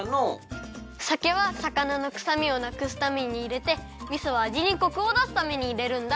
さけはさかなのくさみをなくすためにいれてみそはあじにコクをだすためにいれるんだ。